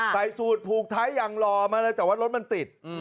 ใส่สูตรผูกท้ายอย่างรอมาเลยแต่ว่ารถมันติด